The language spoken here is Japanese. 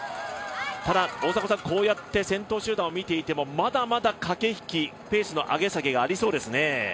ただ、こうやって先頭集団を見ていても、まだまだ駆け引きペースの上げ下げがありそうですね。